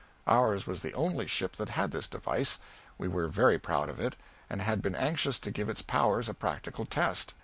Ours was the only ship that had this device; we were very proud of it, and had been anxious to give its powers a practical test.